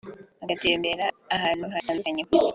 bagatembera ahantu hatandukanye ku isi